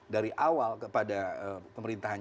dari awal kepada pemerintahan